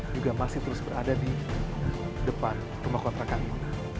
juga masih terus berada di depan rumah kontrakan ini